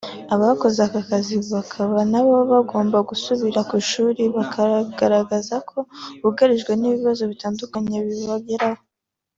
abakoze aka kazi bakaba nabo bagomba gusubira ku ishuri; baragaragaza ko bugarijwe n’ibibazo bitakabaye bibageraho